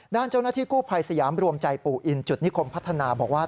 ด้านเจ้าหน้าที่กู้ภัยสยามรวมใจปู่อินจุดนิคมพัฒนาบอกว่า